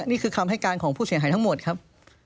นี่คือคำให้การของผู้เสียหายทั้งหมดครับ